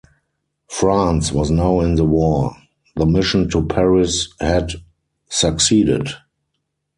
France was now in the war; the mission to Paris had succeeded.